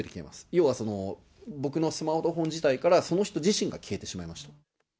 要はその、僕のスマートフォン自体から、その人自身が消えてしまいました。